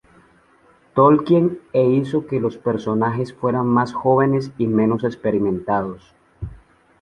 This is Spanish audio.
Tolkien e hizo que los personajes fueran más jóvenes y menos experimentados.